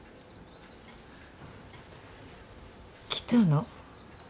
来たの？